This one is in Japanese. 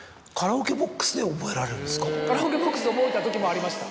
カラオケボックスで覚えた時もありました。